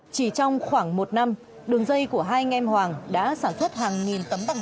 chỉ trong khoảng một năm đường dây của hai anh em hoàng đã sản xuất hàng nghìn tấm bằng